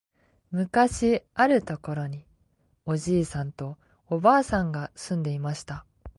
むかしある所におじいさんとおばあさんが住んでいました